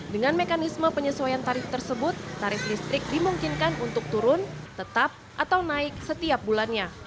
dengan mekanisme penyesuaian tarif tersebut tarif listrik dimungkinkan untuk turun tetap atau naik setiap bulannya